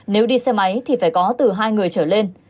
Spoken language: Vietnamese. nếu đi xe máy thì phải có từ hai người trở lên